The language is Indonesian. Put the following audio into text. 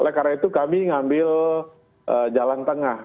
oleh karena itu kami ngambil jalan tengah